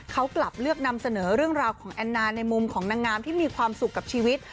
เขากลับเลือกนำเสนอเรื่องราวของแอนนาในมุมของนางงามที่มีความสุขกับชีวิต